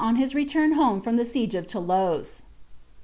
on his return home itom the siege of Thoulouse.